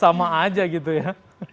sama aja gitu ya